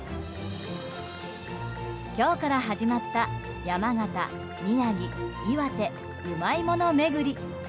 今日から始まった山形・宮城・岩手うまいものめぐり。